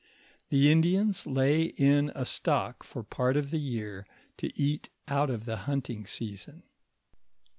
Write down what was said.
The Indians lay in a stock for part of the year, to eat out of the hunting season.